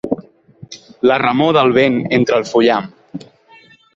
La remor del vent entre el fullam.